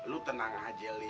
lo tenang aja li